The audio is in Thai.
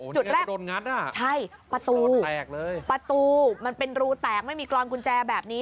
จุดแรกโดนงัดอ่ะใช่ประตูแตกเลยประตูมันเป็นรูแตกไม่มีกรอนกุญแจแบบนี้